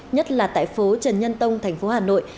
nhất là tại phố trần nhân tông thành phố hà nội